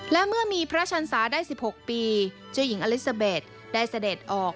และเมื่อมีพระชันศาได้๑๖ปีเจ้าหญิงอลิซาเบสได้เสด็จออก